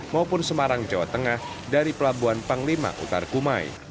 maupun semarang jawa tengah dari pelabuhan panglima utar kumai